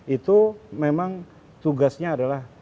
itu memang tugasnya adalah